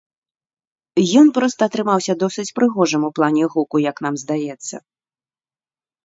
Ён проста атрымаўся досыць прыгожым у плане гуку, як нам здаецца.